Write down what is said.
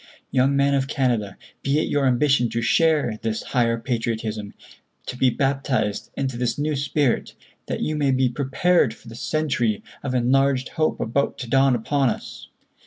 Young men of Canada, be it your ambition to share this higher patriotism, to be baptized into this new spirit, that you may be prepared for the century of enlarged hope about to dawn upon us.